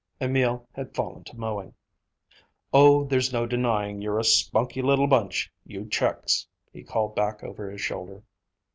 Emil had fallen to mowing. "Oh, there's no denying you're a spunky little bunch, you Czechs," he called back over his shoulder.